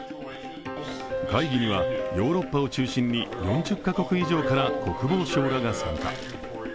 会議にはヨーロッパを中心に４０カ国以上から国防相らが参加。